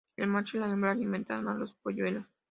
El macho y la hembra alimentan a los polluelos.